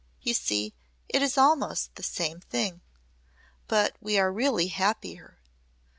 You see, it is almost the same thing. But we are really happier.